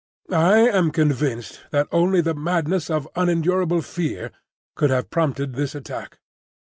I am convinced that only the madness of unendurable fear could have prompted this attack.